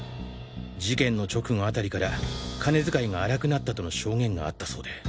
事件の直後あたりから金遣いが荒くなったとの証言があったそうで。